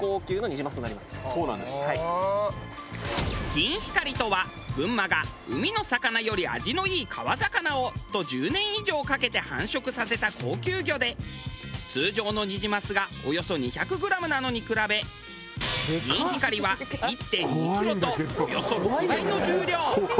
ギンヒカリとは群馬が「海の魚より味のいい川魚を」と１０年以上かけて繁殖させた高級魚で通常のニジマスがおよそ２００グラムなのに比べギンヒカリは１．２キロとおよそ６倍の重量。